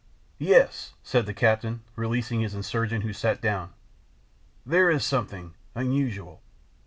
"Yes," said the captain, releasing the insurgent, who sat down, "there is something—unusual.